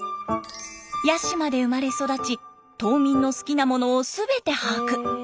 八島で生まれ育ち島民の好きなものを全て把握。